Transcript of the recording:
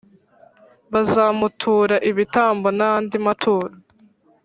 Bazamutura ibitambo n’andi maturo,